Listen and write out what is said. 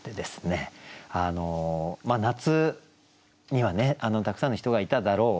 夏にはねたくさんの人がいただろう